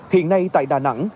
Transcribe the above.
hiện nay tại đà nẵng